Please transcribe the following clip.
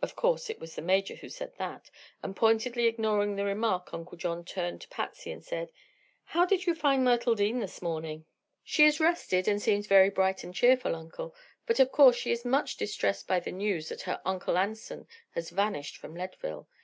Of course it was the Major who said that, and pointedly ignoring the remark Uncle John turned to Patsy and said: "How did you find Myrtle Dean this morning?" "She is rested, and seems very bright and cheerful, Uncle; but of course she is much distressed by the news that her Uncle Anson has vanished from Leadville.